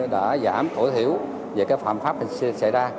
đã giảm thổi thiểu về phạm pháp hình sự xảy ra